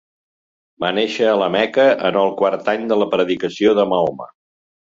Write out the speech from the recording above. Va néixer a la Meca en el quart any de la predicació de Mahoma.